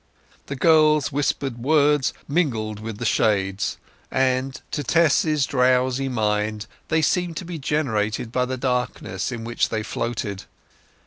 The girl's whispered words mingled with the shades, and, to Tess's drowsy mind, they seemed to be generated by the darkness in which they floated.